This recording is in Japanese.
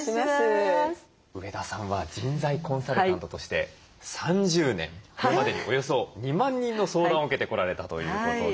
上田さんは人材コンサルタントとして３０年今までにおよそ２万人の相談を受けてこられたということで。